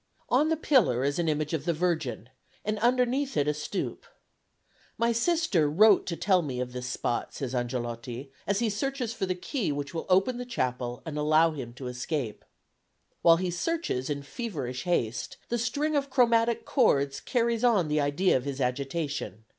On a pillar is an image of the Virgin, and underneath it a stoup. "My sister wrote to tell me of this spot," says Angelotti, as he searches for the key which will open the chapel and allow him to escape. While he searches in feverish haste the string of chromatic chords carries on the idea of his agitation.